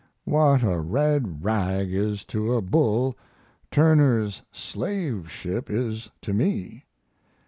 What a red rag is to a bull Turner's "Slave Ship" is to me.